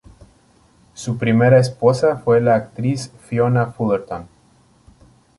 Su primera esposa fue la actriz Fiona Fullerton.